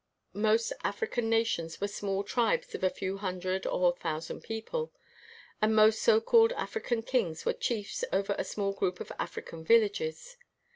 Most African nations were small tribes of a few hundred or thousand people, and most so called African kings were chiefs over a small group of African villages.